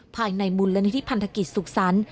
ภายในมูลนิธิพันธกิจสุขสรรค์